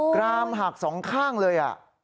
กรามหักสองข้างเลย